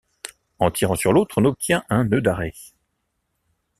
En tirant sur l'autre, on obtient un nœud d'arrêt.